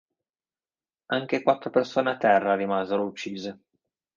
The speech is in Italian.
Anche quattro persone a terra rimasero uccise.